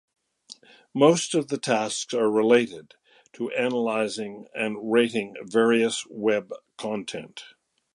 Most of the tasks are related to analyzing and rating various web content.